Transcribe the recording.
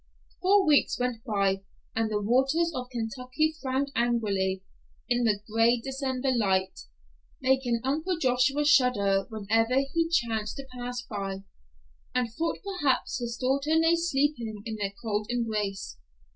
Four weeks went by, and the waters of the Kentucky frowned angrily "in the gray December light," making Uncle Joshua shudder whenever he chanced to pass by, and thought perhaps his daughter lay sleeping in their cold embrace.